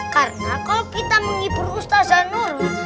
karena kalau kita menghibur ustaz zanuruh